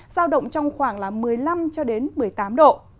giao động trong khoảng một mươi năm một mươi tám độ